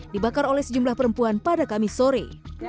dibakar oleh sejumlah perempuan pada kamis sore